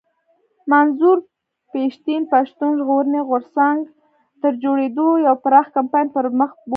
منظور پښتين پښتون ژغورني غورځنګ تر جوړېدو يو پراخ کمپاين پر مخ بوت